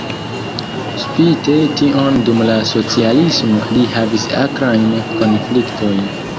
Spite tion dum la socialismo li havis akrajn konfliktojn.